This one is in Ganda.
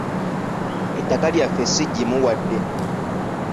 Ettaka lyaffe si ggimu wadde.